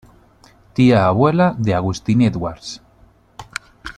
Tía abuela de Agustín Edwards.